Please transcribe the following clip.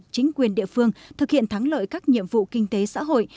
chính quyền địa phương thực hiện thắng lợi các nhiệm vụ kinh tế xã hội